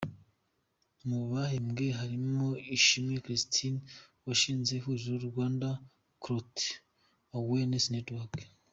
Mu bahembwe harimo Ashimwe Christine washinze ihuriro Rwanda Clot Awareness Network.